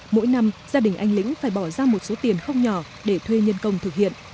mỗi năm gia đình anh lĩnh phải bỏ ra một số tiền không nhỏ để thuê nhân công thực hiện